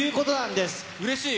うれしい。